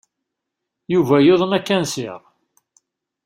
Yuba yuḍen akansir.